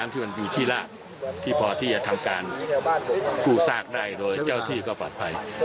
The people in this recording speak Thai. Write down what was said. ที่มันมีที่ลาบที่พอที่จะทำการกู้ซากได้โดยเจ้าที่ก็ปลอดภัย